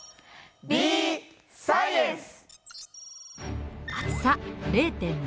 「Ｂ−Ｓｃｉｅｎｃｅ！」。